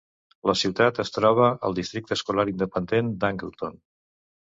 La ciutat es troba al districte escolar independent d'Angleton.